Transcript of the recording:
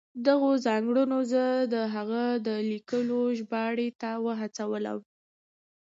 دغو ځانګړنو زه د هغه د لیکنو ژباړې ته وهڅولم.